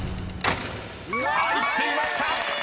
［入っていました！］